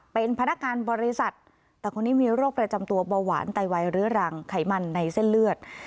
เป็นพนักงานบริษัทแต่คนนี้มีโรคประจำตัวเบาหวานไตวายเรื้อรังไขมันในเส้นเลือด